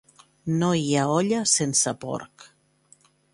No hi ha olla sense porc.